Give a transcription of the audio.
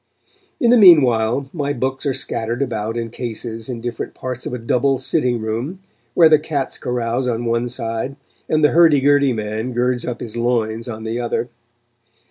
In the meanwhile, my books are scattered about in cases in different parts of a double sitting room, where the cats carouse on one side, and the hurdy gurdy man girds up his loins on the other.